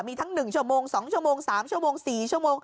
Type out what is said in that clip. มีทั้ง๑ชั่วโมง๒ชั่วโมง๓ชั่วโมง๔ชั่วโมง